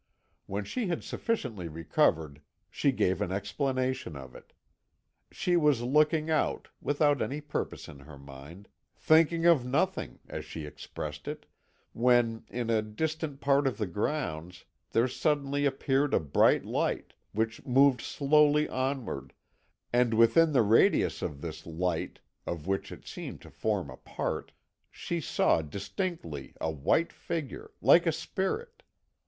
When she had sufficiently recovered she gave an explanation of it. She was looking out, without any purpose in her mind, "thinking of nothing," as she expressed it, when, in a distant part of the grounds, there suddenly appeared a bright light, which moved slowly onward, and within the radius of this light, of which it seemed to form a part, she saw distinctly a white figure, like a spirit.